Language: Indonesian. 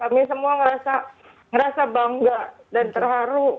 tapi semua ngerasa bangga dan terharu